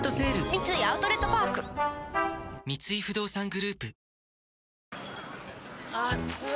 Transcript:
三井アウトレットパーク三井不動産グループあっつ。